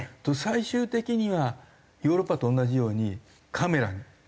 最終的にはヨーロッパと同じように。